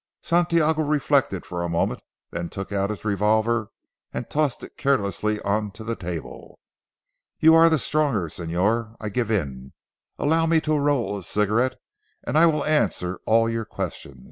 Santiago reflected for a moment, then he took out his revolver and tossed it carelessly on to the table. "You are the stronger Señor. I give in. Allow me to roll a cigarette, and I will answer all your questions.